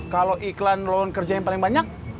kalo iklan laluan kerja yang paling banyak